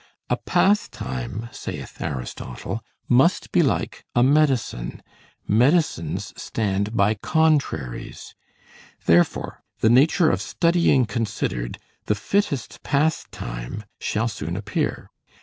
A pastime, saith Aristotle, must be like a medicine. Medicines stand by contraries; therefore, the nature of studying considered, the fittest pastime shall soon appear.